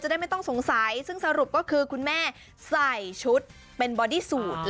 ได้ไม่ต้องสงสัยซึ่งสรุปก็คือคุณแม่ใส่ชุดเป็นบอดี้สูตร